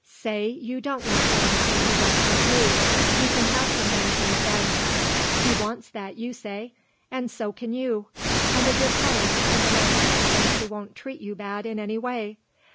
"Say you don't love him and he don't love you. You can have conventions, then he wants that you say, and so can you and a good home and a nice husband who won't treat you bad in any way.